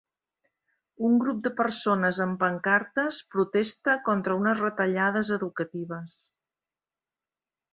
Un grup de persones amb pancartes protesta contra unes retallades educatives.